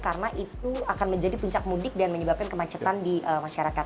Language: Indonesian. karena itu akan menjadi puncak mudik dan menyebabkan kemacetan di masyarakat